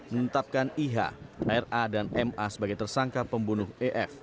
menetapkan iha r a dan m a sebagai tersangka pembunuh e f